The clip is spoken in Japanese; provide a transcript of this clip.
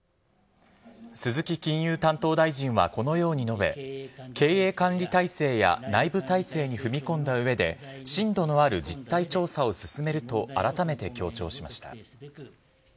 鈴木金融担当大臣はこのように述べ、経営管理体制や、内部体制に踏み込んだうえで、深度のある実態調査を進めると改めて強調しました。